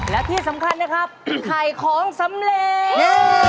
และที่สำคัญนะครับถ่ายของสำเร็จ